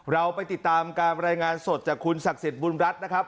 เราไปติดตามการรายงานสดจากคุณศักดิ์สิทธิบุญรัฐนะครับ